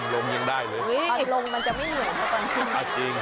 อ่าลงมันจะไม่เหนื่อยจริง